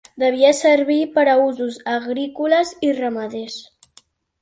Devia servir per usos agrícoles i ramaders.